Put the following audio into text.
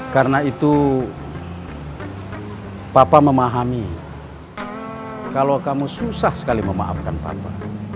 karena itu papa memahami kalau kamu susah sekali memaafkan papa